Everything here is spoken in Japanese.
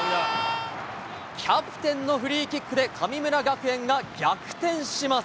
キャプテンのフリーキックで、神村学園が逆転します。